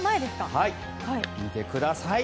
見てください。